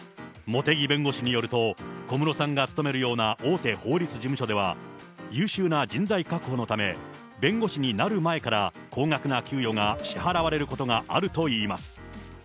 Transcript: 茂木弁護士によると、小室さんが勤めるような大手法律事務所では、優秀な人材確保のため、弁護士になる前から高額な給与が支払われることがあるといいます。